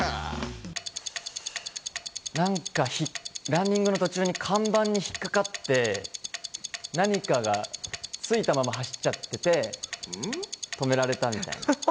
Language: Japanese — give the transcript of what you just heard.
ランニングの途中に看板に引っかかって、何かがついたまま走っちゃってて止められたみたいな。